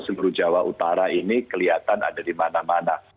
seluruh jawa utara ini kelihatan ada di mana mana